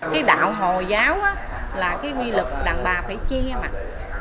cái đạo hồi giáo là cái quy lực đàn bà phải che mặt